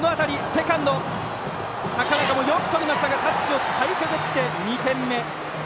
セカンド、高中もよくとりましたがタッチをかいくぐって、２点目。